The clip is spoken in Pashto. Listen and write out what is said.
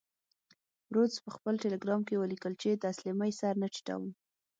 رودز په خپل ټیلګرام کې ولیکل چې تسلیمۍ سر نه ټیټوم.